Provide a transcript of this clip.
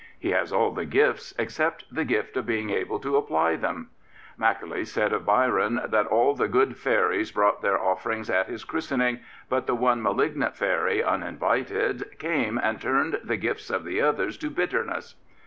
He h as all the gifts except the gift of being, able to apply 17S Lord Rosebery yieijj., Macaulay said of Byron that all the good fairies brought their offerings at his christening; but the one malignant fairy, uninvited, came and turned the gifts of the others to bitterness.